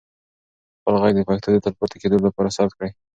خپل ږغ د پښتو د تلپاتې کېدو لپاره ثبت کړئ.